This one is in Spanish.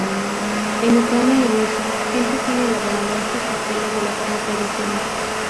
En Ucrania y Rusia la gente sigue elaborando estos pasteles de la forma tradicional.